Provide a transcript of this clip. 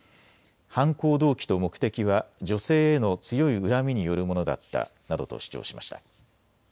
犯行動機と目的は女性への強い恨みによるものだったなどと主張しました。